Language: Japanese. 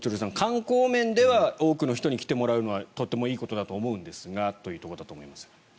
観光面では多くの人に来てもらうのはとってもいいことだと思うんですがというところだと思いますが。